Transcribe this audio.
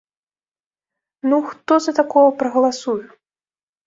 Ну, хто за такога прагаласуе?!